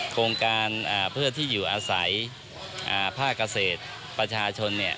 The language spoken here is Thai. โครงการเพื่อที่อยู่อาศัยภาคเกษตรประชาชนเนี่ย